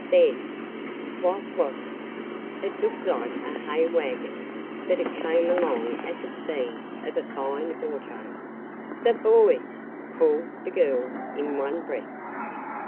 Then What was it? It looked like a hay wagon, but it came along at the speed of a fine auto. "The boys!" called the girls in one breath.